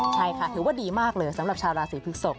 ใช่ค่ะถือว่าดีมากเลยสำหรับชาวราศีพฤกษก